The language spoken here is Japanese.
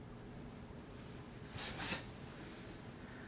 すいません。